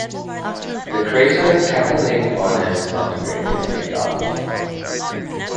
The crater Kamerlingh Onnes on the Moon is named after him.